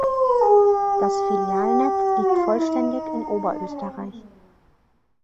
Das Filialnetz liegt vollständig in Oberösterreich.